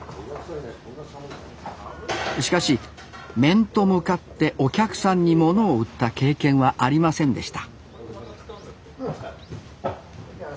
しかし面と向かってお客さんにものを売った経験はありませんでした